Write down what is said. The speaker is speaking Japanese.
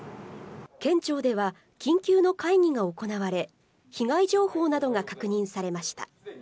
県庁では緊急の会議が行われ、被害情報等が確認されました。